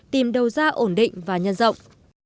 tìm đầu ra ổn định và nhân rộng